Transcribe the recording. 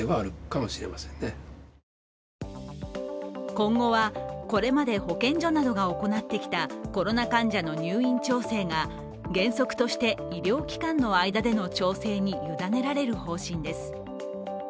今後はこれまで保健所などが行ってきたコロナ患者の入院調整が原則として医療機関の間での調整に委ねられる方針です。